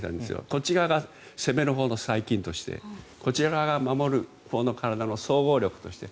こちら側が攻めのほうの細菌としてこちら側が守るほうの総合力として。